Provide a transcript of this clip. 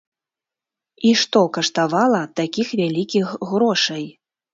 І што каштавала такіх вялікіх грошай?